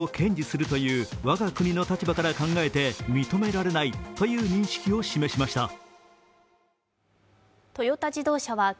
更に非核三原則を堅持するという我が国の立場から考えて認められないという認識を示しました。